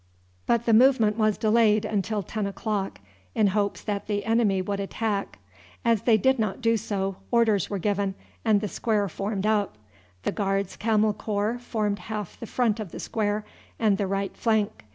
But the movement was delayed until ten o'clock in hopes that the enemy would attack. As they did not do so, orders were given, and the square formed up. The Guards' Camel Corps formed half the front of the square, and the right flank.